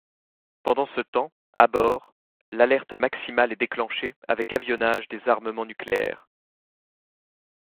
Pendant ce temps, à bord, l'alerte maximale est déclenchée avec avionnage des armements nucléaires.